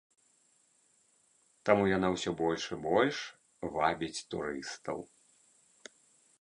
Таму яна ўсё больш і больш вабіць турыстаў.